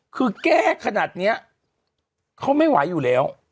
คือแก้ขนาดนี้เขาไม่ไหวอยู่แล้ว